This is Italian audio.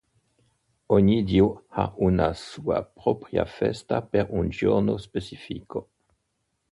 Ogni dio ha una sua propria festa per un giorno specifico.